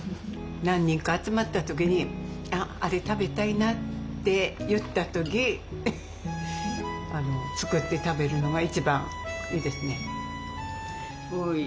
何人か集まったときにあれ食べたいなって言ったとき作って食べるのが一番いいですね。